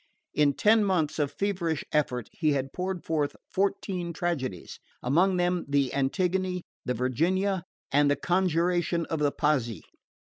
In ten months of feverish effort he had poured forth fourteen tragedies among them the Antigone, the Virginia, and the Conjuration of the Pazzi.